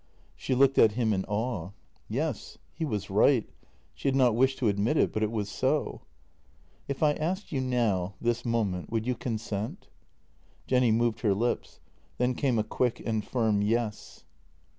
She looked at him in awe. Yes, he was right — she had not wished to admit it, but it was so. " If I asked you now — this moment — would you consent? " Jenny moved her lips; then came a quick and firm " Yes."